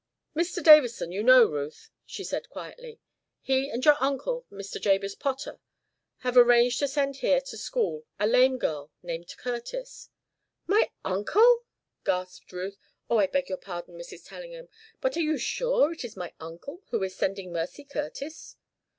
"Dr. Davison you know, Ruth," she said, quietly. "He and your uncle, Mr. Jabez Potter, have arranged to send here to school a lame girl named Curtis " "My uncle!" gasped Ruth. "O, I beg your pardon, Mrs. Tellingham. But are you sure it is my uncle who is sending Mercy Curtis?"